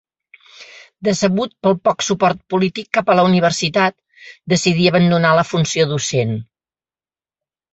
Decebut pel poc suport polític cap a la universitat, decidí abandonar la funció docent.